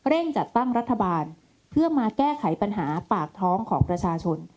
จัดตั้งรัฐบาลเพื่อมาแก้ไขปัญหาปากท้องของประชาชน